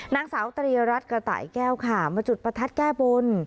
นางสาวตรีรัฐกระต่ายแก้วค่ะมาจุดประทัดแก้บน